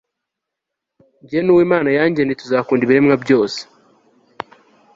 jye n'uwo imana yangeneye, tuzakunda ibiremwa byose